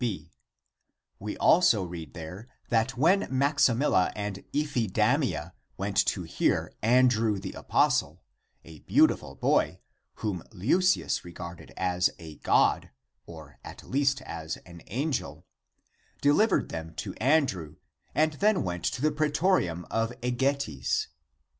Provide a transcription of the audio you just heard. b. We also read there that when Maximilla and Iphidamia ^ went to hear Andrew the apostle, a beautiful boy, whom Leucius regarded as a god or at least as an angel, delivered them to Andrew and then went to the pretorium of Egetes.